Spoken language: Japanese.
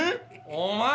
お前！